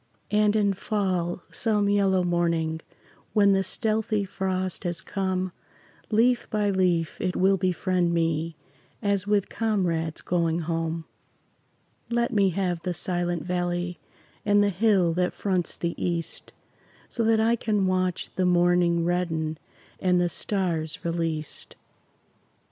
And in fall, some yellow morning, When the stealthy frost has come, Leaf by leaf it will befriend me As with comrades going home. Let me have the Silent Valley And the hill that fronts the east, So that I can watch the morning Redden and the stars released.